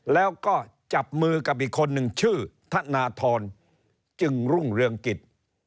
แล้วก็จับมือกับอีกคนนึงชื่อธนทรจึงรุ่งเรืองกิจ